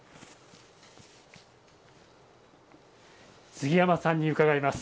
杉山さんに伺います。